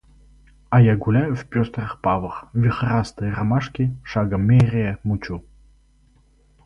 А я гуляю в пестрых павах, вихрастые ромашки, шагом меряя, мучу.